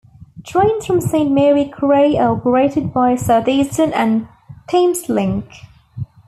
Trains from Saint Mary Cray are operated by Southeastern and Thameslink.